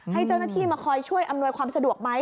ให้เจ้าหน้าที่มาคอยช่วยอำนวยความสะดวกไหม